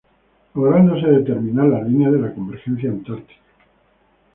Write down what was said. Lográndose determinar la línea de la convergencia antártica.